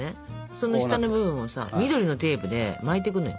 その下部分をさ緑のテープで巻いてくのよ。